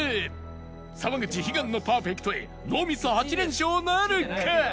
沢口悲願のパーフェクトへノーミス８連勝なるか！？